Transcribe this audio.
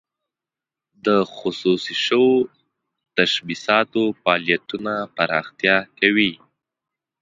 د خصوصي شوو تشبثاتو فعالیتونه پراختیا کوي.